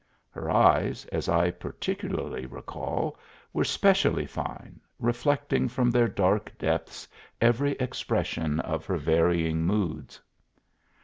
Her eyes, as I particularly recall, were specially fine, reflecting from their dark depths every expression of her varying moods.